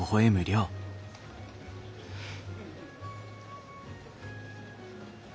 うん。